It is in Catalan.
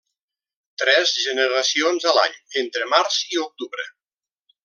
Tres generacions a l'any entre març i octubre.